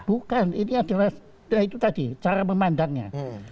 bukan ini adalah itu tadi cara memandangnya